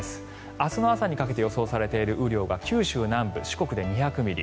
明日の朝にかけて予想されている雨量が九州南部、四国で２００ミリ